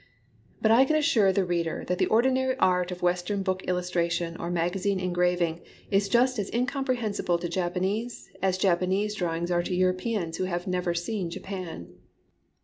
But I can assure the reader that the ordinary art of Western book illustration or magazine engraving is just as incomprehensible to Japanese as Japanese drawings are to Europeans who have never seen Japan.